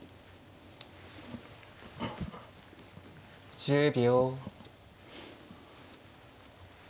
１０秒。